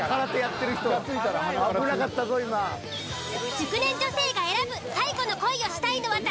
熟年女性が選ぶ最後の恋をしたいのは誰？